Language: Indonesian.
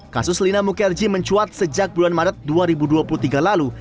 kasus lina mukerji mencuat sejak bulan maret dua ribu dua puluh tiga lalu